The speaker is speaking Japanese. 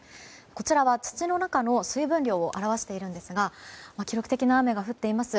こちらは土の中の水分量を表しているんですが記録的な雨が降っています